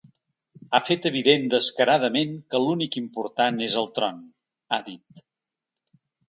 Ha fet evident descaradament que l’únic important és el tron, ha dit.